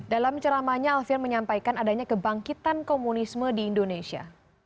dalam ceramahnya alfian menyampaikan adanya kebangkitan komunisme di indonesia